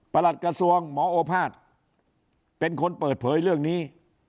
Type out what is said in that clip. หลัดกระทรวงหมอโอภาษย์เป็นคนเปิดเผยเรื่องนี้